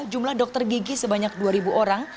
jumlah dokter gigi sebanyak dua orang